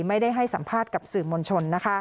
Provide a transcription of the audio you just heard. ไม่ได้ให้สัมภาษณ์กับสื่อมวลชน